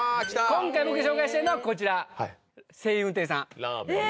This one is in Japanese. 今回僕紹介したいのはこちら盛運亭さんえ